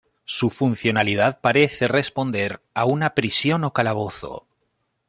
Su funcionalidad parece responder a una prisión o calabozo.